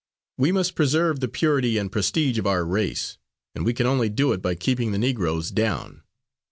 We must preserve the purity and prestige of our race, and we can only do it by keeping the Negroes down."